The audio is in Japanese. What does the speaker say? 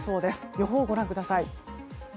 予報をご覧ください。